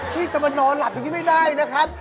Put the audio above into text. ที่จะมานอนหลับอย่างนี้ไม่ได้นะครับ